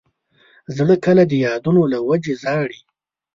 زړه کله د یادونو له وجې ژاړي.